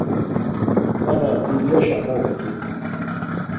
Nana dulyaşa moxtu.